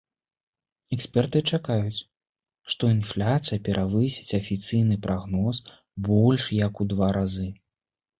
Эксперты чакаюць, што інфляцыя перавысіць афіцыйны прагноз больш як у два разы.